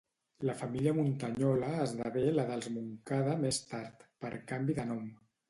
La família Muntanyola esdevé la dels Montcada més tard, per canvi de nom.